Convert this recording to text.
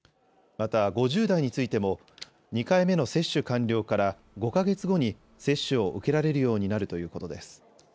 また、５０代についても、２回目の接種完了から５か月後に接種を受けられるようになるということです。